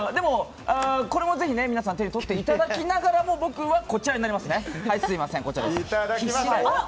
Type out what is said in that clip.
これもぜひ手に取っていただきながら僕はこちらになりますね。